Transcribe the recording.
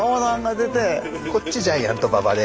こっちジャイアント馬場で。